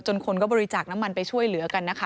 คนก็บริจาคน้ำมันไปช่วยเหลือกันนะคะ